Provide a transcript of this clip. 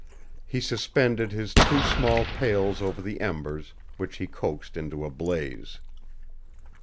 He suspended his two small pails over the embers, which he coaxed into a blaze.